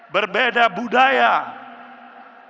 berbeda agama berbeda suku berbeda dialek